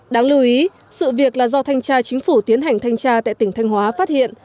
đáng lưu ý sự việc là do thanh tra chính phủ tiến hành thanh tra tại tỉnh thanh hóa phát hiện